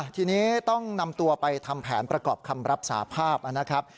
ทีนี้ต้องนำตัวไปทำแผนประกอบคำรับสาภาพนะครับ